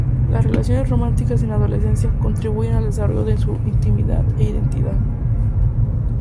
Las relaciones románticas en la adolescencia contribuyen al desarrollo de su intimidad e identidad.